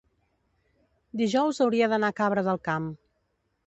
dijous hauria d'anar a Cabra del Camp.